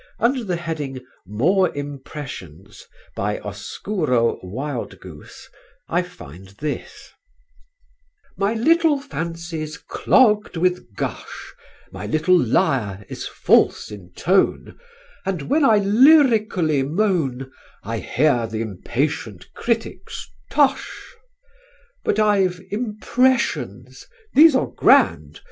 Under the heading, "More Impressions" (by Oscuro Wildgoose) I find this: "My little fancy's clogged with gush, My little lyre is false in tone, And when I lyrically moan, I hear the impatient critic's 'Tush!' "But I've 'Impressions.' These are grand!